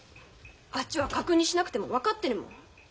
あっちは確認しなくても分かってるもん。